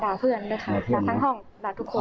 เพื่อนด้วยค่ะด่าทั้งห้องด่าทุกคน